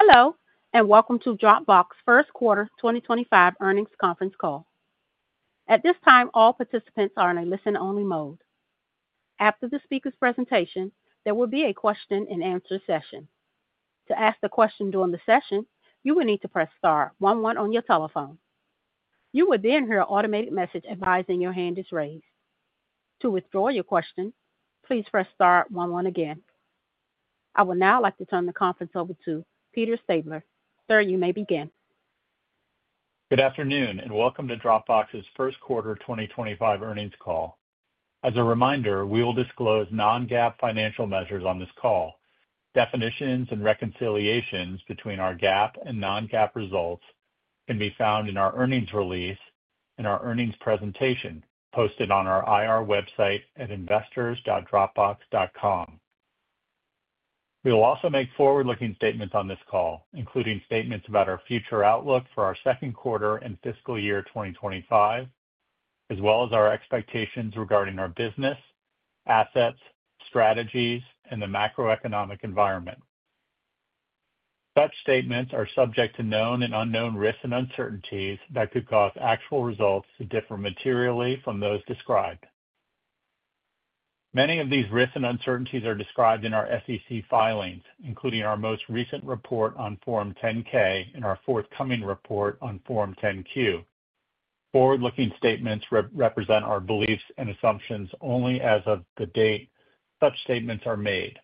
Hello, and welcome to Dropbox first quarter 2025 earnings conference call. At this time, all participants are in a listen-only mode. After the speaker's presentation, there will be a question-and-answer session. To ask a question during the session, you will need to press star one one on your telephone. You will then hear an automated message advising your hand is raised. To withdraw your question, please press star one again. I would now like to turn the conference over to Peter Stabler. Sir, you may begin. Good afternoon, and welcome to Dropbox's first quarter 2025 earnings call. As a reminder, we will disclose non-GAAP financial measures on this call. Definitions and reconciliations between our GAAP and non-GAAP results can be found in our earnings release and our earnings presentation posted on our IR website at investors.dropbox.com. We will also make forward-looking statements on this call, including statements about our future outlook for our second quarter and fiscal year 2025, as well as our expectations regarding our business, assets, strategies, and the macroeconomic environment. Such statements are subject to known and unknown risks and uncertainties that could cause actual results to differ materially from those described. Many of these risks and uncertainties are described in our SEC filings, including our most recent report on Form 10-K and our forthcoming report on Form 10-Q. Forward-looking statements represent our beliefs and assumptions only as of the date such statements are made.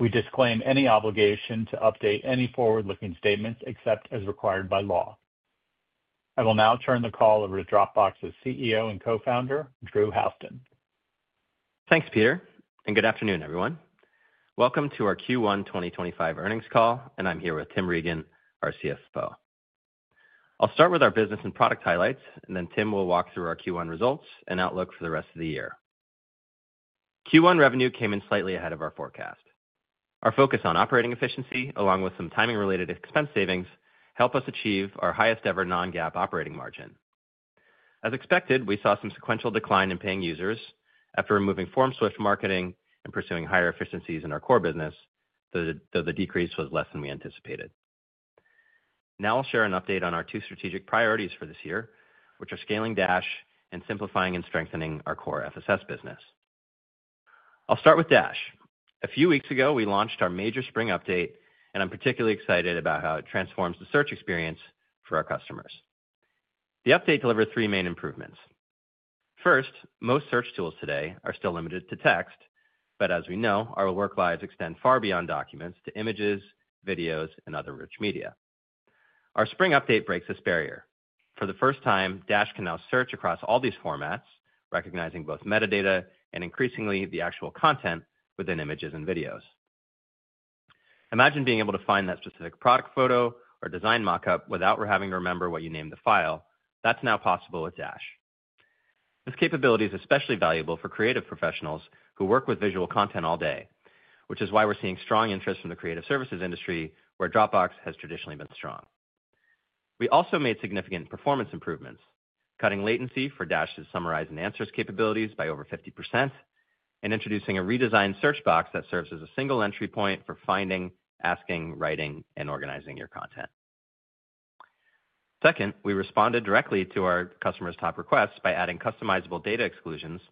We disclaim any obligation to update any forward-looking statements except as required by law. I will now turn the call over to Dropbox's CEO and Co-founder, Drew Houston. Thanks, Peter, and good afternoon, everyone. Welcome to our Q1 2025 earnings call, and I'm here with Tim Regan, our CFO. I'll start with our business and product highlights, and then Tim will walk through our Q1 results and outlook for the rest of the year. Q1 revenue came in slightly ahead of our forecast. Our focus on operating efficiency, along with some timing-related expense savings, helped us achieve our highest-ever non-GAAP operating margin. As expected, we saw some sequential decline in paying users after removing FormSwift marketing and pursuing higher efficiencies in our core business, though the decrease was less than we anticipated. Now I'll share an update on our two strategic priorities for this year, which are scaling Dash and simplifying and strengthening our core FSS business. I'll start with Dash. A few weeks ago, we launched our major spring update, and I'm particularly excited about how it transforms the search experience for our customers. The update delivers three main improvements. First, most search tools today are still limited to text, but as we know, our work lives extend far beyond documents to images, videos, and other rich media. Our spring update breaks this barrier. For the first time, Dash can now search across all these formats, recognizing both metadata and, increasingly, the actual content within images and videos. Imagine being able to find that specific product photo or design mockup without having to remember what you named the file. That's now possible with Dash. This capability is especially valuable for creative professionals who work with visual content all day, which is why we're seeing strong interest from the creative services industry, where Dropbox has traditionally been strong. We also made significant performance improvements, cutting latency for Dash's summarize and answers capabilities by over 50% and introducing a redesigned search box that serves as a single entry point for finding, asking, writing, and organizing your content. Second, we responded directly to our customers' top requests by adding customizable data exclusions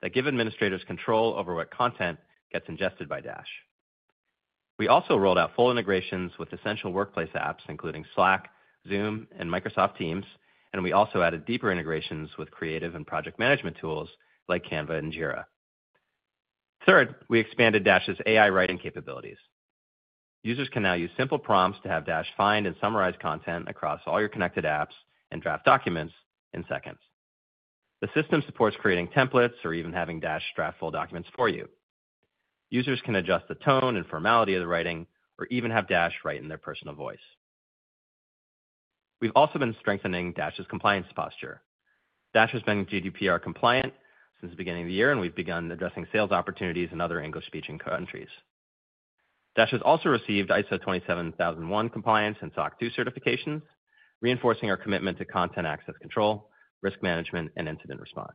that give administrators control over what content gets ingested by Dash. We also rolled out full integrations with essential workplace apps, including Slack, Zoom, and Microsoft Teams, and we also added deeper integrations with creative and project management tools like Canva and Jira. Third, we expanded Dash's AI writing capabilities. Users can now use simple prompts to have Dash find and summarize content across all your connected apps and draft documents in seconds. The system supports creating templates or even having Dash draft full documents for you. Users can adjust the tone and formality of the writing or even have Dash write in their personal voice. We've also been strengthening Dash's compliance posture. Dash has been GDPR compliant since the beginning of the year, and we've begun addressing sales opportunities in other English-speaking countries. Dash has also received ISO 27001 compliance and SOC 2 certifications, reinforcing our commitment to content access control, risk management, and incident response.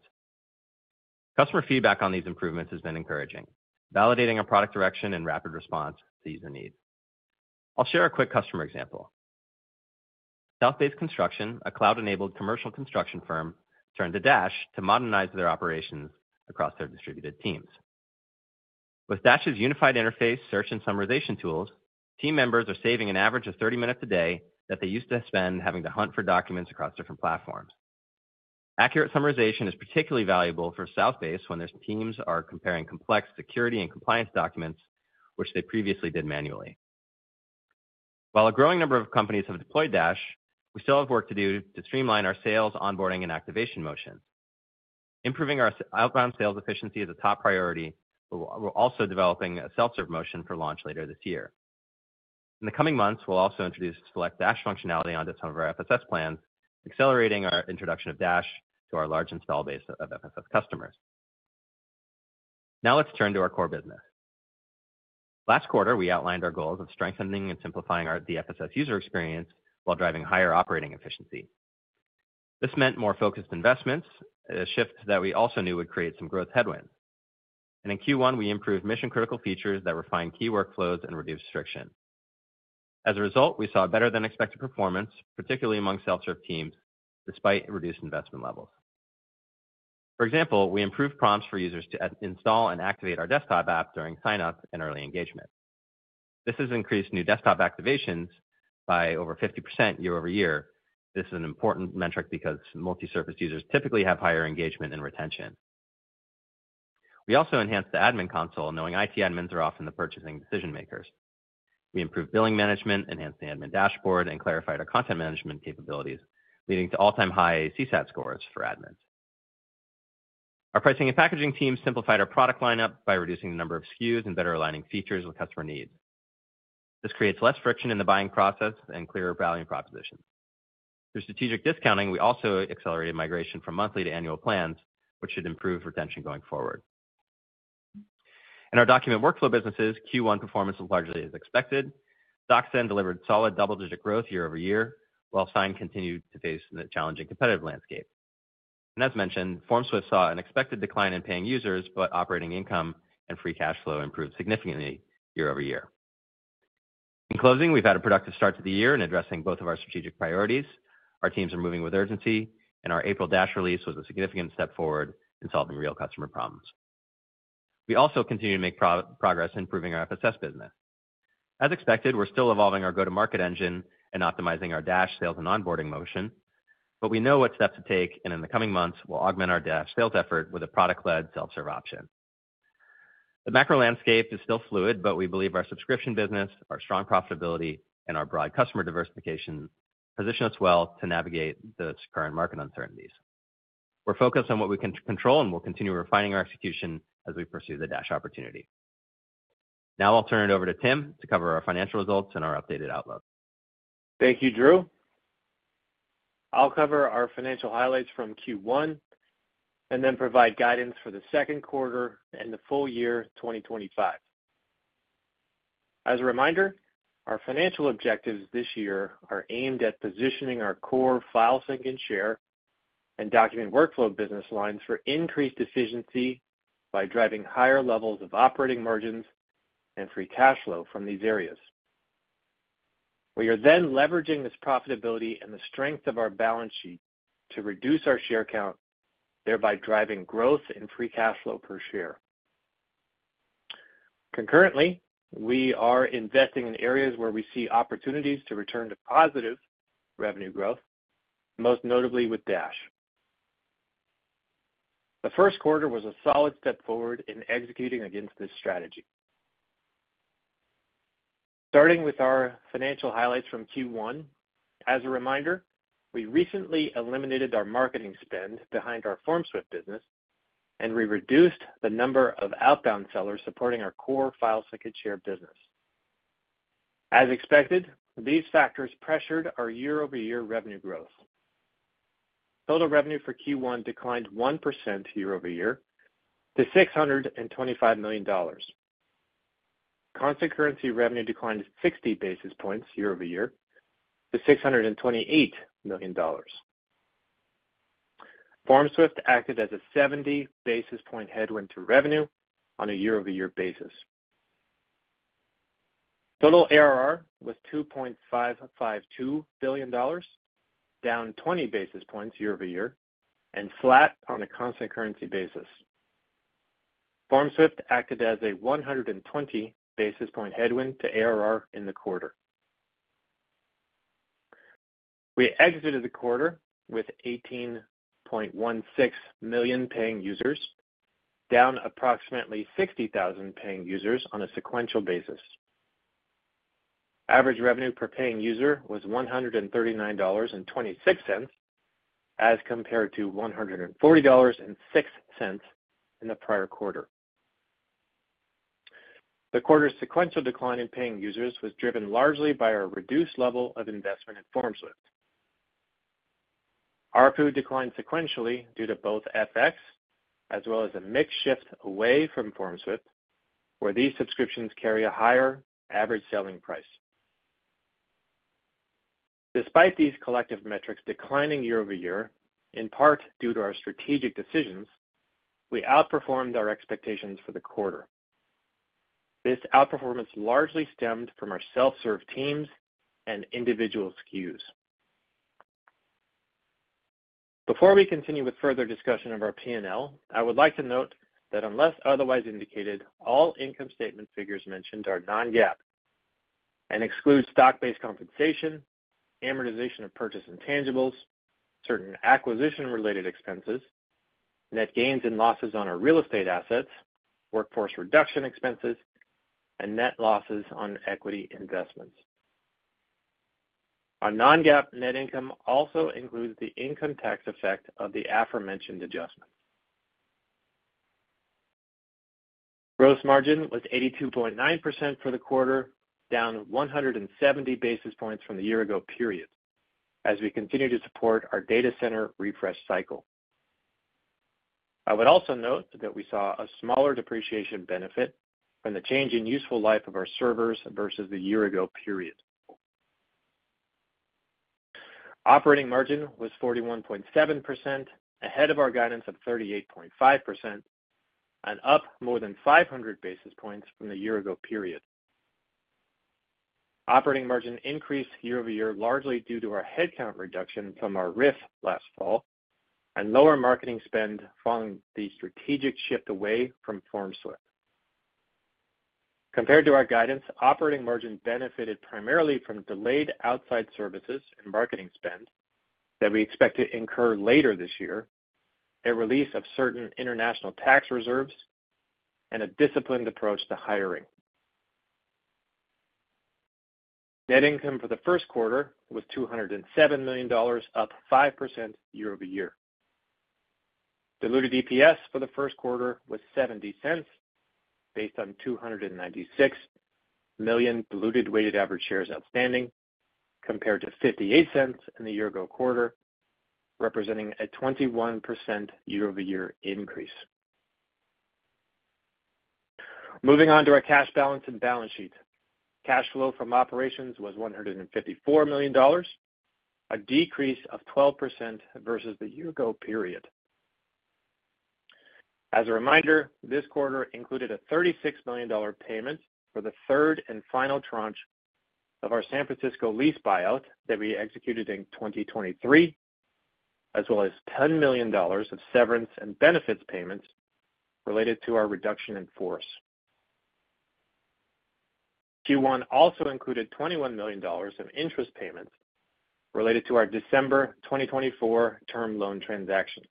Customer feedback on these improvements has been encouraging, validating our product direction and rapid response to user needs. I'll share a quick customer example. Southbase Construction, a cloud-enabled commercial construction firm, turned to Dash to modernize their operations across their distributed teams. With Dash's unified interface, search, and summarization tools, team members are saving an average of 30 minutes a day that they used to spend having to hunt for documents across different platforms. Accurate summarization is particularly valuable for Southbase when their teams are comparing complex security and compliance documents, which they previously did manually. While a growing number of companies have deployed Dash, we still have work to do to streamline our sales, onboarding, and activation motions. Improving our outbound sales efficiency is a top priority, but we're also developing a self-serve motion for launch later this year. In the coming months, we'll also introduce select Dash functionality onto some of our FSS plans, accelerating our introduction of Dash to our large install base of FSS customers. Now let's turn to our core business. Last quarter, we outlined our goals of strengthening and simplifying our DFSS user experience while driving higher operating efficiency. This meant more focused investments, a shift that we also knew would create some growth headwinds. In Q1, we improved mission-critical features that refined key workflows and reduced friction. As a result, we saw better-than-expected performance, particularly among self-serve teams, despite reduced investment levels. For example, we improved prompts for users to install and activate our desktop app during sign-up and early engagement. This has increased new desktop activations by over 50% year-over-year. This is an important metric because multi-surface users typically have higher engagement and retention. We also enhanced the admin console, knowing IT admins are often the purchasing decision-makers. We improved billing management, enhanced the admin dashboard, and clarified our content management capabilities, leading to all-time high CSAT scores for admins. Our pricing and packaging teams simplified our product lineup by reducing the number of SKUs and better aligning features with customer needs. This creates less friction in the buying process and clearer value propositions. Through strategic discounting, we also accelerated migration from monthly to annual plans, which should improve retention going forward. In our document workflow businesses, Q1 performance was largely as expected. DocSend delivered solid double-digit growth year-over-year, while Sign continued to face the challenging competitive landscape. As mentioned, FormSwift saw an expected decline in paying users, but operating income and free cash flow improved significantly year-over-year. In closing, we have had a productive start to the year in addressing both of our strategic priorities. Our teams are moving with urgency, and our April Dash release was a significant step forward in solving real customer problems. We also continue to make progress in improving our FSS business. As expected, we're still evolving our go-to-market engine and optimizing our Dash sales and onboarding motion, but we know what steps to take, and in the coming months, we'll augment our Dash sales effort with a product-led self-serve option. The macro landscape is still fluid, but we believe our subscription business, our strong profitability, and our broad customer diversification position us well to navigate this current market uncertainties. We're focused on what we can control, and we'll continue refining our execution as we pursue the Dash opportunity. Now I'll turn it over to Tim to cover our financial results and our updated outlook. Thank you, Drew. I'll cover our financial highlights from Q1 and then provide guidance for the second quarter and the full year 2025. As a reminder, our financial objectives this year are aimed at positioning our core file sync and share and document workflow business lines for increased efficiency by driving higher levels of operating margins and free cash flow from these areas. We are then leveraging this profitability and the strength of our balance sheet to reduce our share count, thereby driving growth in free cash flow per share. Concurrently, we are investing in areas where we see opportunities to return to positive revenue growth, most notably with Dash. The first quarter was a solid step forward in executing against this strategy. Starting with our financial highlights from Q1, as a reminder, we recently eliminated our marketing spend behind our FormSwift business, and we reduced the number of outbound sellers supporting our core File Sync and Share business. As expected, these factors pressured our year-over-year revenue growth. Total revenue for Q1 declined 1% year-over-year to $625 million. Constellancy revenue declined 60 basis points year-over-year to $628 million. FormSwift acted as a 70 basis point headwind to revenue on a year-over-year basis. Total ARR was $2.552 billion, down 20 basis points year-over-year, and flat on a constellancy basis. FormSwift acted as a 120 basis point headwind to ARR in the quarter. We exited the quarter with 18.16 million paying users, down approximately 60,000 paying users on a sequential basis. Average revenue per paying user was $139.26, as compared to $140.06 in the prior quarter. The quarter's sequential decline in paying users was driven largely by our reduced level of investment in FormSwift. Our ARPU declined sequentially due to both FX as well as a mix shift away from FormSwift, where these subscriptions carry a higher average selling price. Despite these collective metrics declining year-over-year, in part due to our strategic decisions, we outperformed our expectations for the quarter. This outperformance largely stemmed from our self-serve teams and individual SKUs. Before we continue with further discussion of our P&L, I would like to note that unless otherwise indicated, all income statement figures mentioned are non-GAAP and exclude stock-based compensation, amortization of purchase intangibles, certain acquisition-related expenses, net gains and losses on our real estate assets, workforce reduction expenses, and net losses on equity investments. Our non-GAAP net income also includes the income tax effect of the aforementioned adjustment. Gross margin was 82.9% for the quarter, down 170 basis points from the year-ago period, as we continue to support our data center refresh cycle. I would also note that we saw a smaller depreciation benefit from the change in useful life of our servers vs the year-ago period. Operating margin was 41.7%, ahead of our guidance of 38.5%, and up more than 500 basis points from the year-ago period. Operating margin increased year-over-year largely due to our headcount reduction from our RIF last fall and lower marketing spend following the strategic shift away from FormSwift. Compared to our guidance, operating margin benefited primarily from delayed outside services and marketing spend that we expect to incur later this year, a release of certain international tax reserves, and a disciplined approach to hiring. Net income for the first quarter was $207 million, up 5% year-over-year. Diluted EPS for the first quarter was $0.70, based on 296 million diluted weighted average shares outstanding, compared to $0.58 in the year-ago quarter, representing a 21% year-over-year increase. Moving on to our cash balance and balance sheet, cash flow from operations was $154 million, a decrease of 12% vs the year-ago period. As a reminder, this quarter included a $36 million payment for the third and final tranche of our San Francisco lease buyout that we executed in 2023, as well as $10 million of severance and benefits payments related to our reduction in force. Q1 also included $21 million of interest payments related to our December 2024 term loan transaction.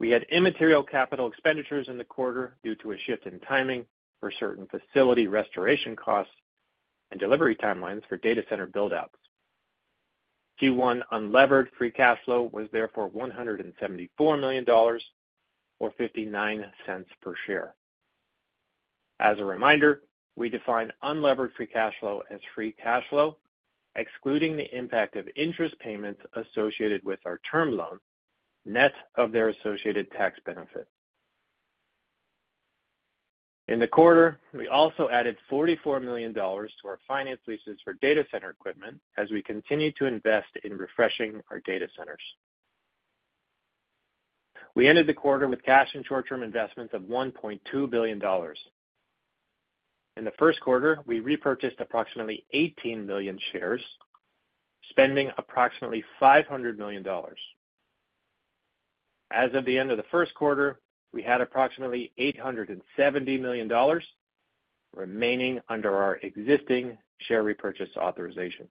We had immaterial capital expenditures in the quarter due to a shift in timing for certain facility restoration costs and delivery timelines for data center buildouts. Q1 unlevered free cash flow was therefore $174 million, or $0.59 per share. As a reminder, we define unlevered free cash flow as free cash flow, excluding the impact of interest payments associated with our term loan net of their associated tax benefit. In the quarter, we also added $44 million to our finance leases for data center equipment as we continue to invest in refreshing our data centers. We ended the quarter with cash and short-term investments of $1.2 billion. In the first quarter, we repurchased approximately 18 million shares, spending approximately $500 million. As of the end of the first quarter, we had approximately $870 million remaining under our existing share repurchase authorization.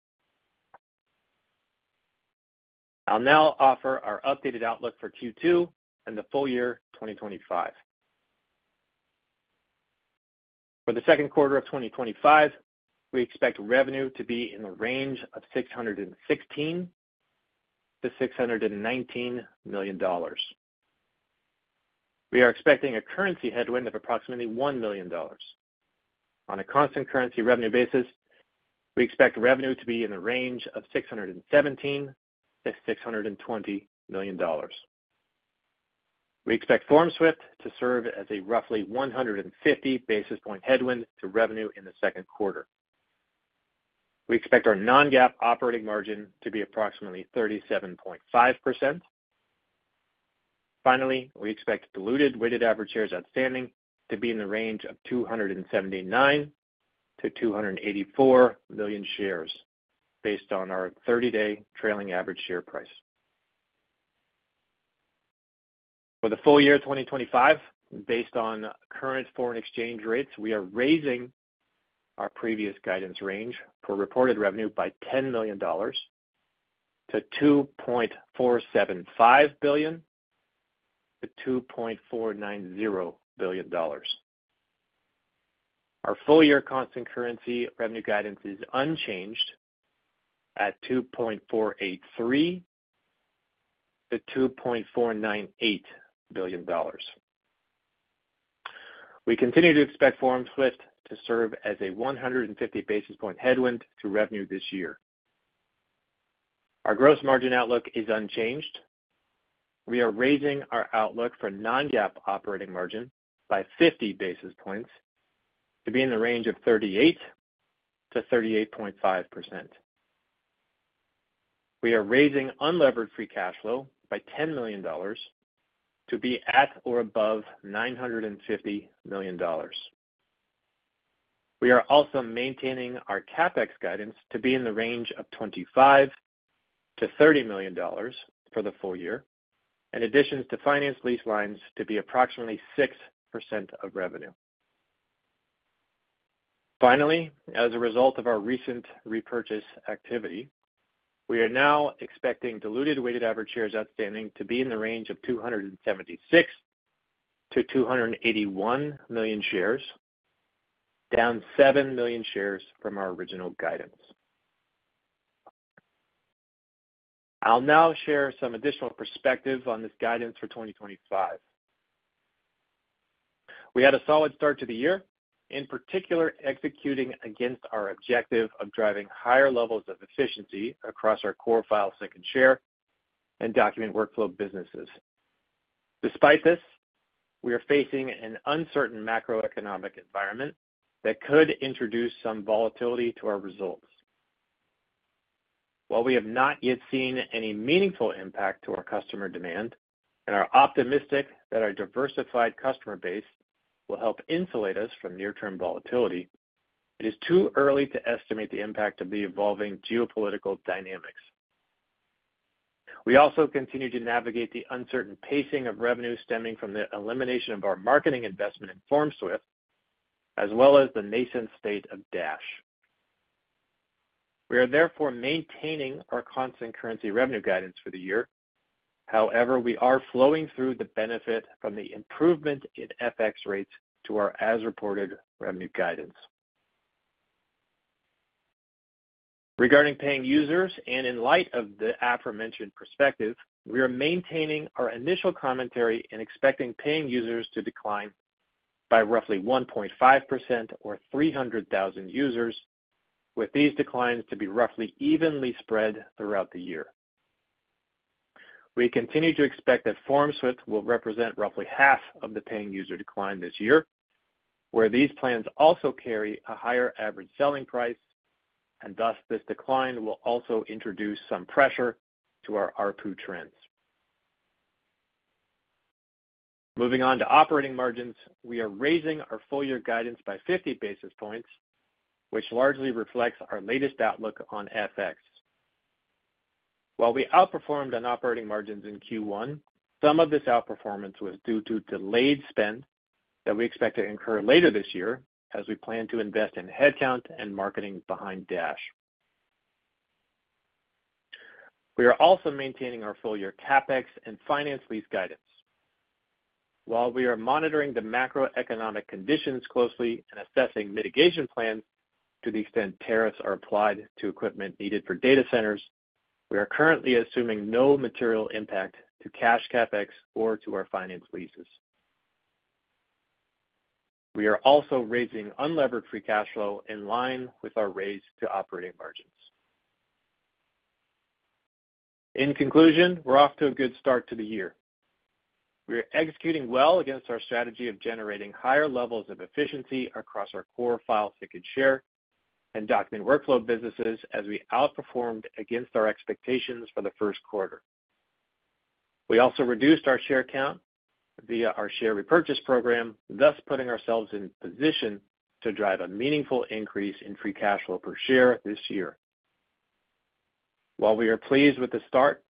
I'll now offer our updated outlook for Q2 and the full year 2025. For the second quarter of 2025, we expect revenue to be in the range of $616 million-$619 million. We are expecting a currency headwind of approximately $1 million. On a constant currency revenue basis, we expect revenue to be in the range of $617 million-$620 million. We expect FormSwift to serve as a roughly 150 basis point headwind to revenue in the second quarter. We expect our non-GAAP operating margin to be approximately 37.5%. Finally, we expect diluted weighted average shares outstanding to be in the range of 279 million-284 million shares, based on our 30-day trailing average share price. For the full year 2025, based on current foreign exchange rates, we are raising our previous guidance range for reported revenue by $10 million to $2.475 billion-$2.490 billion. Our full year constant currency revenue guidance is unchanged at $2.483 billion-$2.498 billion. We continue to expect FormSwift to serve as a 150 basis point headwind to revenue this year. Our gross margin outlook is unchanged. We are raising our outlook for non-GAAP operating margin by 50 basis points to be in the range of 38%-38.5%. We are raising unlevered free cash flow by $10 million to be at or above $950 million. We are also maintaining our CapEx guidance to be in the range of $25 million-$30 million for the full year, in addition to finance lease lines to be approximately 6% of revenue. Finally, as a result of our recent repurchase activity, we are now expecting diluted weighted average shares outstanding to be in the range of 276 million-281 million shares, down 7 million shares from our original guidance. I'll now share some additional perspective on this guidance for 2025. We had a solid start to the year, in particular executing against our objective of driving higher levels of efficiency across our core file sync and share and document workflow businesses. Despite this, we are facing an uncertain macroeconomic environment that could introduce some volatility to our results. While we have not yet seen any meaningful impact to our customer demand, and are optimistic that our diversified customer base will help insulate us from near-term volatility, it is too early to estimate the impact of the evolving geopolitical dynamics. We also continue to navigate the uncertain pacing of revenue stemming from the elimination of our marketing investment in FormSwift, as well as the nascent state of Dash. We are therefore maintaining our constant currency revenue guidance for the year. However, we are flowing through the benefit from the improvement in FX rates to our as-reported revenue guidance. Regarding paying users, and in light of the aforementioned perspective, we are maintaining our initial commentary and expecting paying users to decline by roughly 1.5% or 300,000 users, with these declines to be roughly evenly spread throughout the year. We continue to expect that Form-swift will represent roughly half of the paying user decline this year, where these plans also carry a higher average selling price, and thus this decline will also introduce some pressure to our ARPU trends. Moving on to operating margins, we are raising our full year guidance by 50 basis points, which largely reflects our latest outlook on FX. While we outperformed on operating margins in Q1, some of this outperformance was due to delayed spend that we expect to incur later this year, as we plan to invest in headcount and marketing behind Dash. We are also maintaining our full year CapEx and finance lease guidance. While we are monitoring the macroeconomic conditions closely and assessing mitigation plans to the extent tariffs are applied to equipment needed for data centers, we are currently assuming no material impact to cash CapEx or to our finance leases. We are also raising unlevered free cash flow in line with our raise to operating margins. In conclusion, we're off to a good start to the year. We are executing well against our strategy of generating higher levels of efficiency across our core file sync and share and document workflow businesses as we outperformed against our expectations for the first quarter. We also reduced our share count via our share repurchase program, thus putting ourselves in position to drive a meaningful increase in free cash flow per share this year. While we are pleased with the start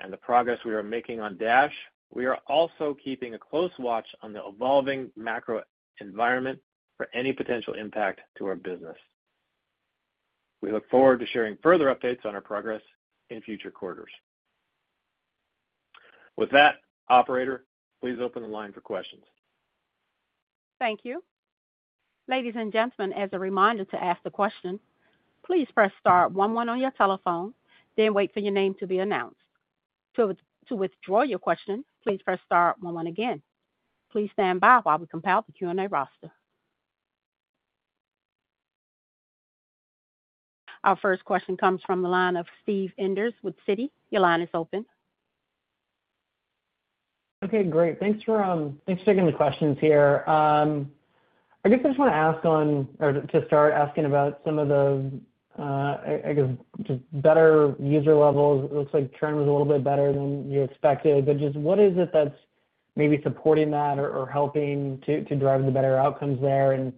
and the progress we are making on Dash, we are also keeping a close watch on the evolving macro environment for any potential impact to our business. We look forward to sharing further updates on our progress in future quarters. With that, Operator, please open the line for questions. Thank you. Ladies and gentlemen, as a reminder to ask the question, please press star one one on your telephone, then wait for your name to be announced. To withdraw your question, please press star one one again. Please stand by while we compile the Q&A roster. Our first question comes from the line of Steve Enders with Citi. Your line is open. Okay, great. Thanks for taking the questions here. I guess I just want to ask on, or to start asking about some of the, I guess, just better user levels. It looks like trend was a little bit better than you expected, but just what is it that's maybe supporting that or helping to drive the better outcomes there?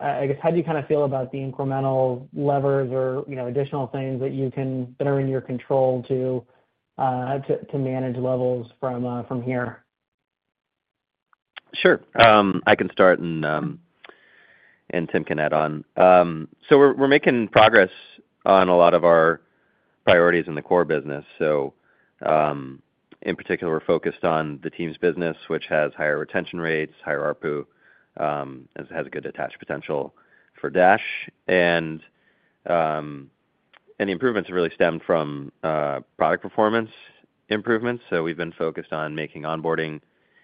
I guess, how do you kind of feel about the incremental levers or additional things that you can put in your control to manage levels from here? Sure. I can start and Tim can add on. We're making progress on a lot of our priorities in the core business. In particular, we're focused on the Teams business, which has higher retention rates, higher ARPU, has a good attached potential for Dash. The improvements have really stemmed from product performance improvements. We've been focused on making onboarding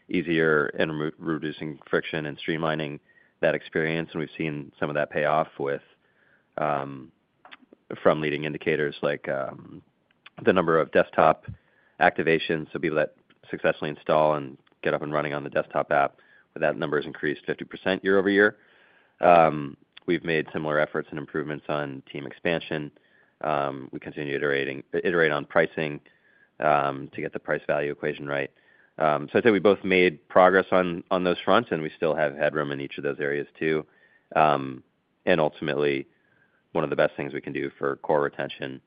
easier and reducing friction and streamlining that experience. We've seen some of that pay off from leading indicators like the number of desktop activations. People that successfully install and get up and running on the desktop app, that number has increased 50% year-over-year. We've made similar efforts and improvements on team expansion. We continue to iterate on pricing to get the price value equation right. I think we both made progress on those fronts, and we still have headroom in each of those areas too. Ultimately, one of the best things we can do for core retention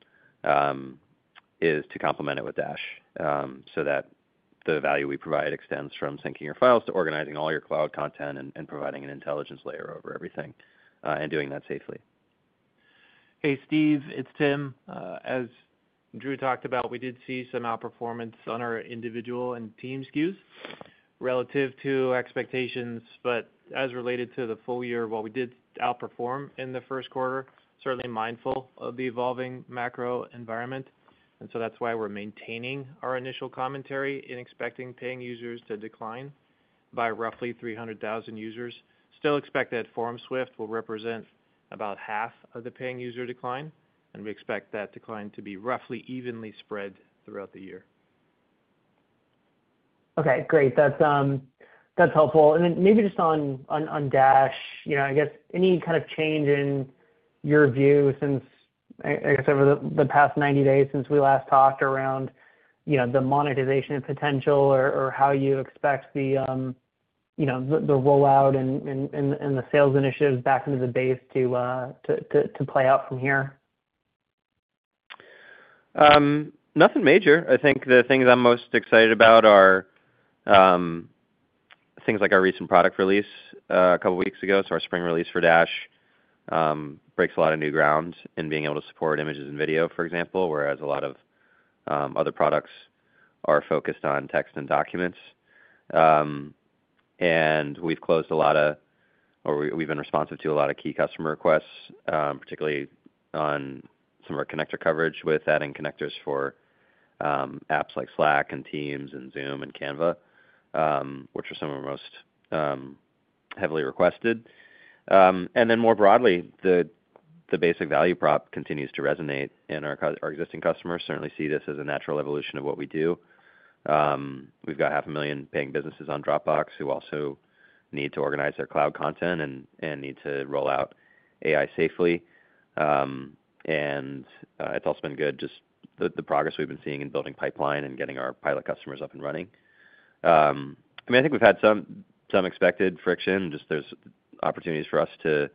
is to complement it with Dash so that the value we provide extends from syncing your files to organizing all your cloud content and providing an intelligence layer over everything and doing that safely. Hey, Steve, it's Tim. As Drew talked about, we did see some outperformance on our individual and Teams cues relative to expectations. As related to the full year, while we did outperform in the first quarter, certainly mindful of the evolving macro environment. That is why we're maintaining our initial commentary in expecting paying users to decline by roughly 300,000 users. Still expect that FormSwift will represent about half of the paying user decline. We expect that decline to be roughly evenly spread throughout the year. Okay, great. That's helpful. Maybe just on Dash, I guess any kind of change in your view since, I guess, over the past 90 days since we last talked around the monetization potential or how you expect the rollout and the sales initiatives back into the base to play out from here? Nothing major. I think the things I'm most excited about are things like our recent product release a couple of weeks ago. Our spring release for Dash breaks a lot of new ground in being able to support images and video, for example, whereas a lot of other products are focused on text and documents. We've closed a lot of, or we've been responsive to a lot of key customer requests, particularly on some of our connector coverage with adding connectors for apps like Slack and Teams and Zoom and Canva, which are some of our most heavily requested. More broadly, the basic value prop continues to resonate in our existing customers. Certainly see this as a natural evolution of what we do. We've got 500,000 paying businesses on Dropbox who also need to organize their cloud content and need to roll out AI safely. And it's also been good, just the progress we've been seeing in building pipeline and getting our pilot customers up and running. I mean, I think we've had some expected friction. Just there's opportunities for us to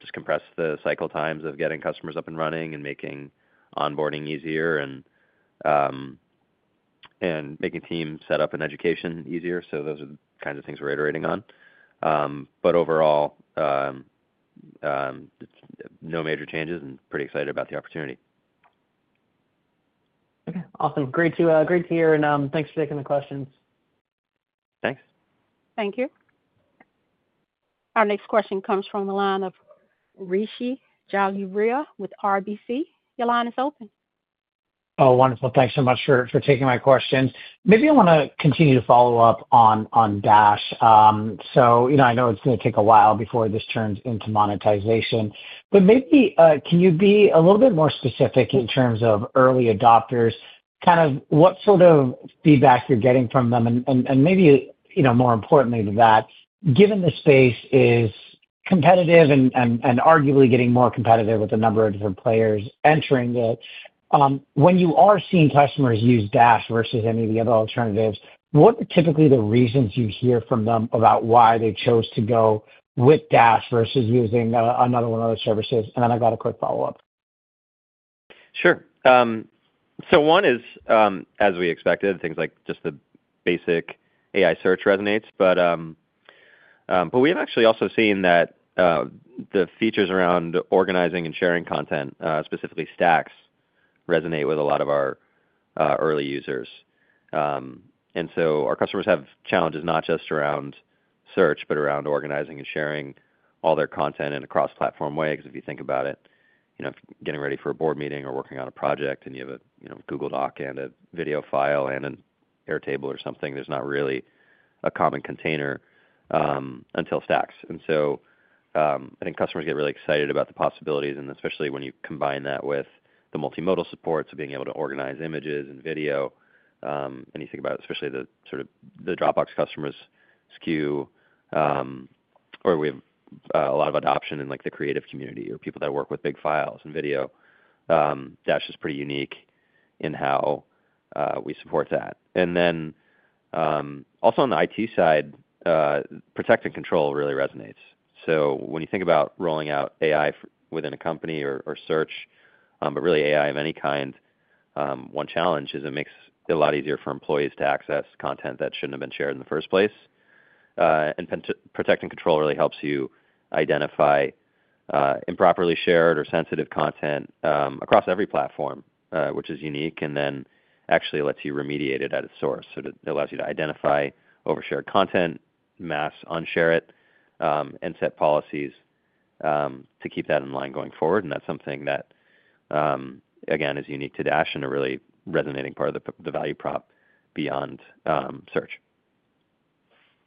just compress the cycle times of getting customers up and running and making onboarding easier and making team setup and education easier. So those are the kinds of things we're iterating on. But overall, no major changes and pretty excited about the opportunity. Okay, awesome. Great to hear. Thanks for taking the questions. Thanks. Thank you. Our next question comes from the line of Rishi Jaluria with RBC. Your line is open. Oh, wonderful. Thanks so much for taking my questions. Maybe I want to continue to follow up on Dash. I know it's going to take a while before this turns into monetization. Maybe can you be a little bit more specific in terms of early adopters, kind of what sort of feedback you're getting from them? More importantly to that, given the space is competitive and arguably getting more competitive with a number of different players entering it, when you are seeing customers use Dash vs any of the other alternatives, what are typically the reasons you hear from them about why they chose to go with Dash vs using another one of those services? I've got a quick follow-up. Sure. One is, as we expected, things like just the basic AI search resonates. We have actually also seen that the features around organizing and sharing content, specifically Stacks, resonate with a lot of our early users. Our customers have challenges not just around search, but around organizing and sharing all their content in a cross-platform way. If you think about it, getting ready for a board meeting or working on a project and you have a Google Doc and a video file and an Airtable or something, there is not really a common container until Stacks. I think customers get really excited about the possibilities, especially when you combine that with the multimodal support, so being able to organize images and video. You think about especially the sort of the Dropbox customers' skew, or we have a lot of adoption in the creative community or people that work with big files and video. Dash is pretty unique in how we support that. Also on the IT side, protect and control really resonates. When you think about rolling out AI within a company or search, but really AI of any kind, one challenge is it makes it a lot easier for employees to access content that should not have been shared in the first place. Protect and control really helps you identify improperly shared or sensitive content across every platform, which is unique, and then actually lets you remediate it at its source. It allows you to identify overshared content, mass unshare it, and set policies to keep that in line going forward. That is something that, again, is unique to Dash and a really resonating part of the value prop beyond search.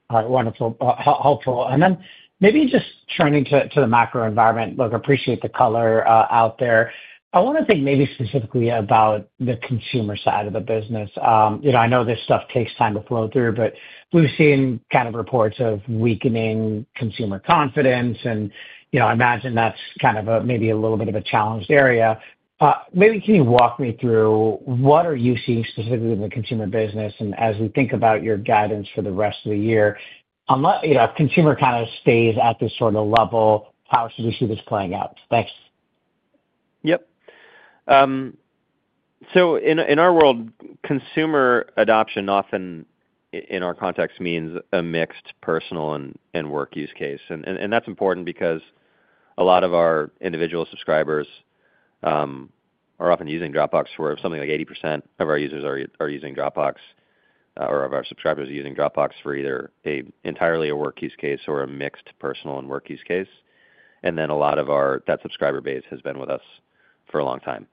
All right, wonderful. Helpful. Then maybe just turning to the macro environment, look, I appreciate the color out there. I want to think maybe specifically about the consumer side of the business. I know this stuff takes time to flow through, but we've seen kind of reports of weakening consumer confidence. I imagine that's kind of maybe a little bit of a challenged area. Maybe can you walk me through what are you seeing specifically in the consumer business? As we think about your guidance for the rest of the year, if consumer kind of stays at this sort of level, how should we see this playing out? Thanks. Yep. In our world, consumer adoption often in our context means a mixed personal and work use case. That is important because a lot of our individual subscribers are often using Dropbox for something like 80% of our users are using Dropbox or of our subscribers are using Dropbox for either entirely a work use case or a mixed personal and work use case. A lot of that subscriber base has been with us for a long time.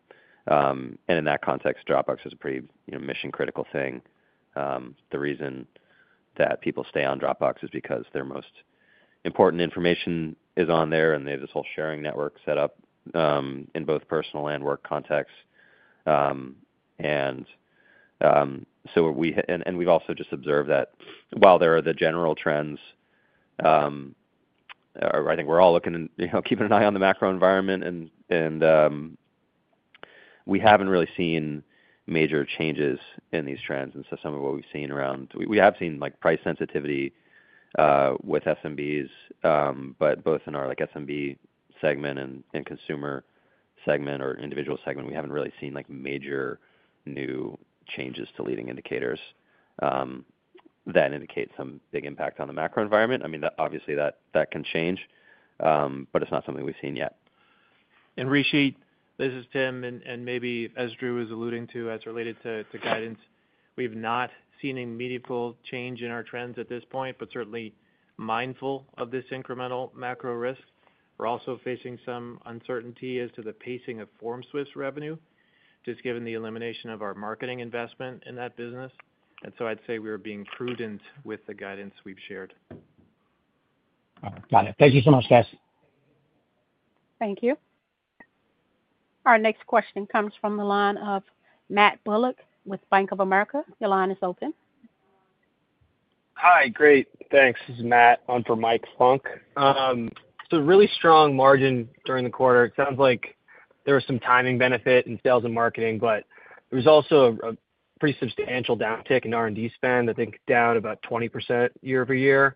In that context, Dropbox is a pretty mission-critical thing. The reason that people stay on Dropbox is because their most important information is on there, and they have this whole sharing network set up in both personal and work contexts. We have also just observed that while there are the general trends, I think we are all keeping an eye on the macro environment, and we have not really seen major changes in these trends. Some of what we have seen around, we have seen price sensitivity with SMBs, but both in our SMB segment and consumer segment or individual segment, we have not really seen major new changes to leading indicators that indicate some big impact on the macro environment. I mean, obviously, that can change, but it is not something we have seen yet. Rishi, this is Tim. Maybe as Drew was alluding to as related to guidance, we've not seen a meaningful change in our trends at this point, but certainly mindful of this incremental macro risk. We're also facing some uncertainty as to the pacing of FormSwift's revenue, just given the elimination of our marketing investment in that business. I'd say we are being prudent with the guidance we've shared. Got it. Thank you so much, guys. Thank you. Our next question comes from the line of Matt Bullock with Bank of America. Your line is open. Hi, great. Thanks. This is Matt. I'm for Mike Funk. Really strong margin during the quarter. It sounds like there was some timing benefit in sales and marketing, but there was also a pretty substantial downtick in R&D spend. I think down about 20% year-over-year.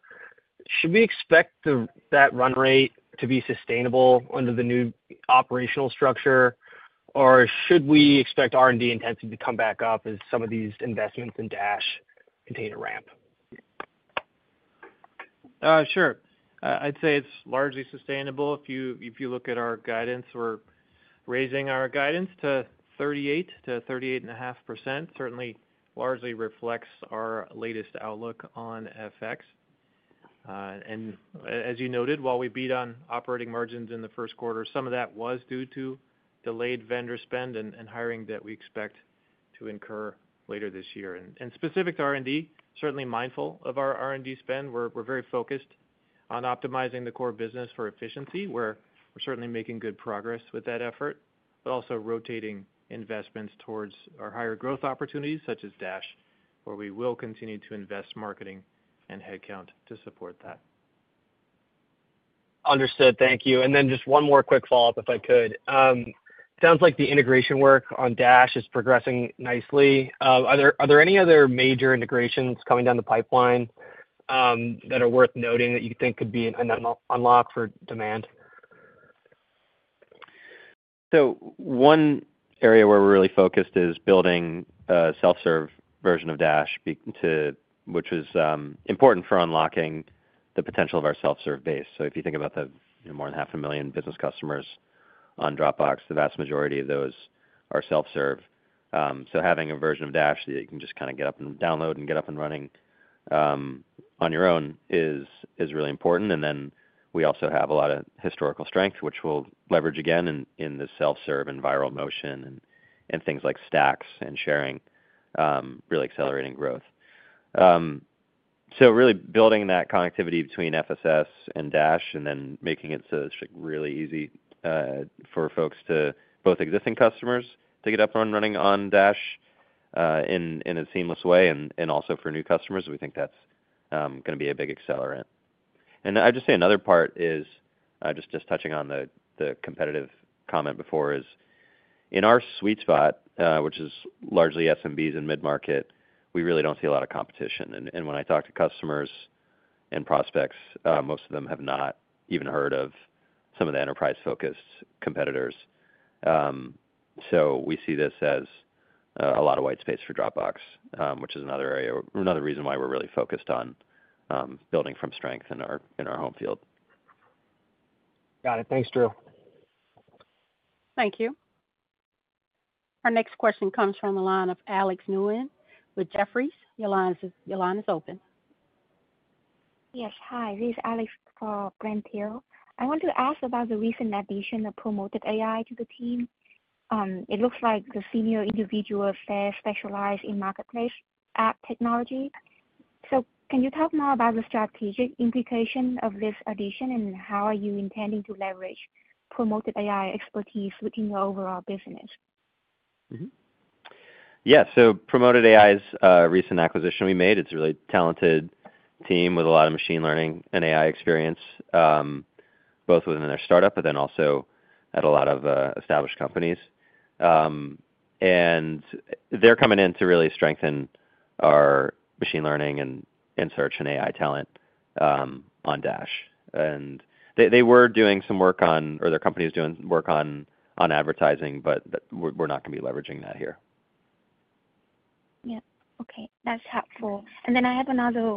Should we expect that run rate to be sustainable under the new operational structure, or should we expect R&D intensity to come back up as some of these investments in Dash continue to ramp? Sure. I'd say it's largely sustainable. If you look at our guidance, we're raising our guidance to 38%-38.5%. Certainly largely reflects our latest outlook on FX. As you noted, while we beat on operating margins in the first quarter, some of that was due to delayed vendor spend and hiring that we expect to incur later this year. Specific to R&D, certainly mindful of our R&D spend. We're very focused on optimizing the core business for efficiency, where we're certainly making good progress with that effort, but also rotating investments towards our higher growth opportunities such as Dash, where we will continue to invest marketing and headcount to support that. Understood. Thank you. And then just one more quick follow-up, if I could. Sounds like the integration work on Dash is progressing nicely. Are there any other major integrations coming down the pipeline that are worth noting that you think could be an unlock for demand? One area where we're really focused is building a self-serve version of Dash, which was important for unlocking the potential of our self-serve base. If you think about the more than 500,000 business customers on Dropbox, the vast majority of those are self-serve. Having a version of Dash that you can just kind of get up and download and get up and running on your own is really important. We also have a lot of historical strength, which we'll leverage again in the self-serve and viral motion and things like stacks and sharing, really accelerating growth. Really building that connectivity between FSS and Dash and then making it so it's really easy for folks, both existing customers, to get up and running on Dash in a seamless way. Also for new customers, we think that's going to be a big accelerant. I’d just say another part is just touching on the competitive comment before is in our sweet spot, which is largely SMBs and mid-market, we really do not see a lot of competition. When I talk to customers and prospects, most of them have not even heard of some of the enterprise-focused competitors. We see this as a lot of white space for Dropbox, which is another reason why we are really focused on building from strength in our home field. Got it. Thanks, Drew. Thank you. Our next question comes from the line of Alex Nguyen with Jefferies. Your line is open. Yes, hi. This is Alex for Brent Thill. I want to ask about the recent addition of Promoted.ai to the team. It looks like the senior individuals there specialize in marketplace app technology. Can you talk more about the strategic implication of this addition and how are you intending to leverage Promoted.ai expertise within your overall business? Yeah. Promoted.ai is a recent acquisition we made. It's a really talented team with a lot of machine learning and AI experience, both within their startup, but then also at a lot of established companies. They're coming in to really strengthen our machine learning and search and AI talent on Dash. They were doing some work on, or their company was doing work on advertising, but we're not going to be leveraging that here. Yeah. Okay. That's helpful. I have another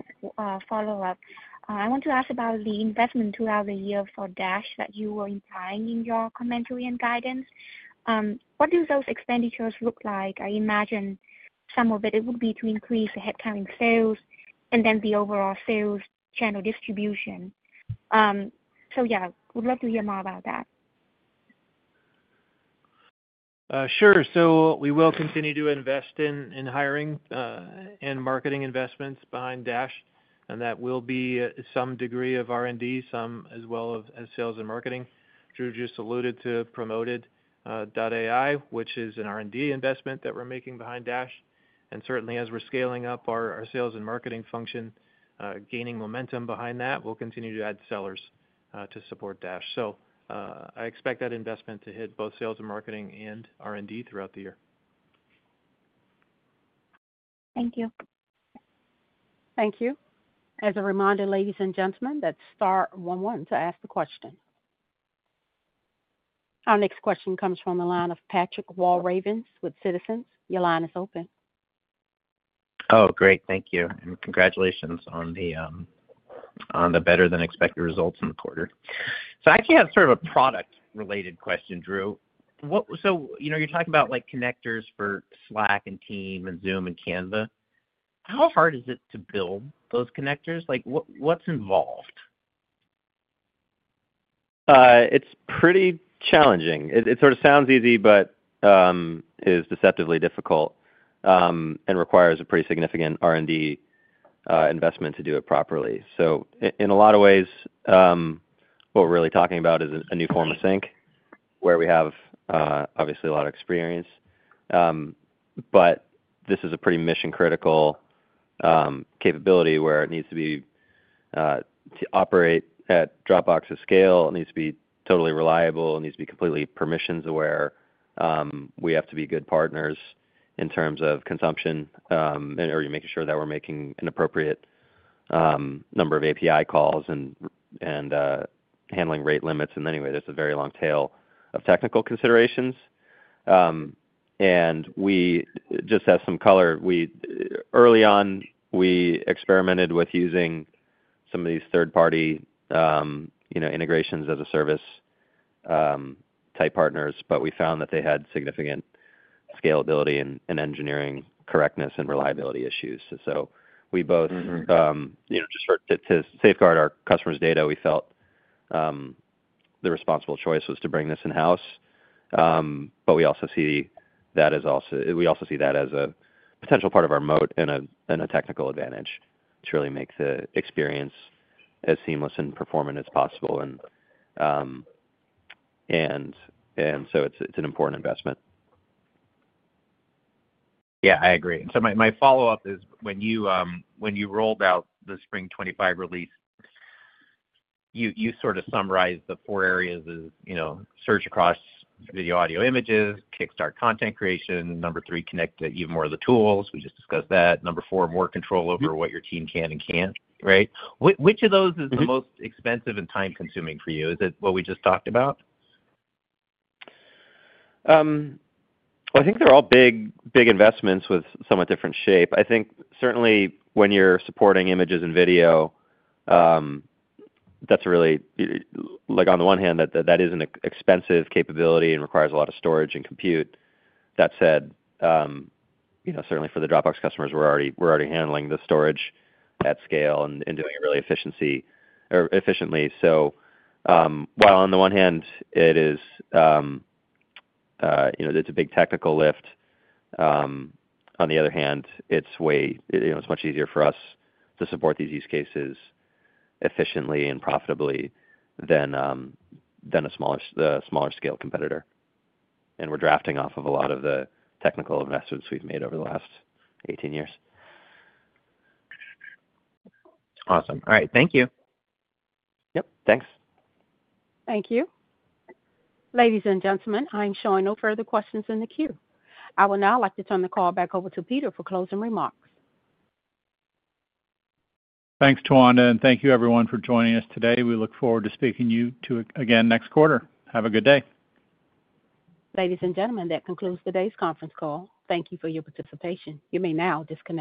follow-up. I want to ask about the investment throughout the year for Dash that you were implying in your commentary and guidance. What do those expenditures look like? I imagine some of it would be to increase the headcount in sales and then the overall sales channel distribution. Yeah, we'd love to hear more about that. Sure. We will continue to invest in hiring and marketing investments behind Dash. That will be some degree of R&D, as well as sales and marketing. Drew just alluded to Promoted.ai, which is an R&D investment that we're making behind Dash. Certainly, as we're scaling up our sales and marketing function, gaining momentum behind that, we'll continue to add sellers to support Dash. I expect that investment to hit both sales and marketing and R&D throughout the year. Thank you. Thank you. As a reminder, ladies and gentlemen, that's star one one to ask the question. Our next question comes from the line of Patrick Walravens with Citizens. Your line is open. Oh, great. Thank you. Congratulations on the better-than-expected results in the quarter. I actually have sort of a product-related question, Drew. You're talking about connectors for Slack and Teams and Zoom and Canva. How hard is it to build those connectors? What's involved? It's pretty challenging. It sort of sounds easy, but is deceptively difficult and requires a pretty significant R&D investment to do it properly. In a lot of ways, what we're really talking about is a new form of sync where we have obviously a lot of experience. This is a pretty mission-critical capability where it needs to operate at Dropbox's scale. It needs to be totally reliable. It needs to be completely permissions aware. We have to be good partners in terms of consumption and making sure that we're making an appropriate number of API calls and handling rate limits. Anyway, there's a very long tail of technical considerations. Just as some color, early on, we experimented with using some of these third-party integrations as a service-type partners, but we found that they had significant scalability and engineering correctness and reliability issues. We both, just to safeguard our customers' data, felt the responsible choice was to bring this in-house. We also see that as a potential part of our moat and a technical advantage to really make the experience as seamless and performant as possible. It is an important investment. Yeah, I agree. My follow-up is when you rolled out the Spring 2025 release, you sort of summarized the four areas as search across video, audio, images, Kickstart content creation, number three, connect to even more of the tools. We just discussed that. Number four, more control over what your team can and can't, right? Which of those is the most expensive and time-consuming for you? Is it what we just talked about? I think they're all big investments with somewhat different shape. I think certainly when you're supporting images and video, that's really on the one hand, that is an expensive capability and requires a lot of storage and compute. That said, certainly for the Dropbox customers, we're already handling the storage at scale and doing it really efficiently. While on the one hand, it is a big technical lift, on the other hand, it's much easier for us to support these use cases efficiently and profitably than a smaller-scale competitor. We're drafting off of a lot of the technical investments we've made over the last 18 years. Awesome. All right. Thank you. Yep. Thanks. Thank you. Ladies and gentlemen, I'm showing no further questions in the queue. I would now like to turn the call back over to Peter for closing remarks. Thanks, Towanda, and thank you, everyone, for joining us today. We look forward to speaking to you again next quarter. Have a good day. Ladies and gentlemen, that concludes today's conference call. Thank you for your participation. You may now disconnect.